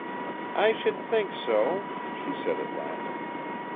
"I should think so," she said at last.